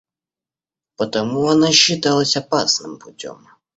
Потому она считалась опасным путём.